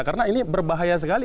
karena ini berbahaya sekali